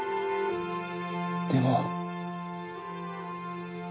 でも。